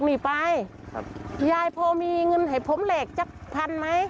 หนีไปครับยายพอมีเงินให้ผมแหลกสักพันไหม